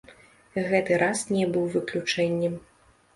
Гэты раз не быў выключэннем.